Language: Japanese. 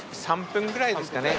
３分くらいですね